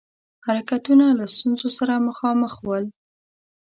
حرکتونه له ستونزو سره مخامخ ول.